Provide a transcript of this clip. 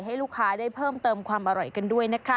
ให้ลูกค้าได้เพิ่มเติมความอร่อยกันด้วยนะคะ